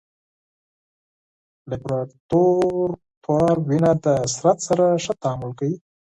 لابراتوار وینه د بدن سره ښه تعامل کوي.